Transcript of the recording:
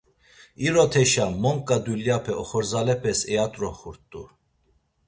İroteşa monǩa dulyape oxorzalepes eyat̆roxurt̆u.